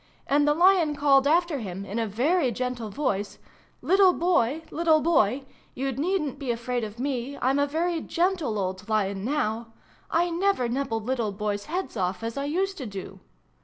And the Lion called after him, in a very gentle voice, ' Little Boy, little Boy ! You needn't be afraid of me! I'm a very gentle old Lion now. I never nubble little Boys' heads off, as I used to do.'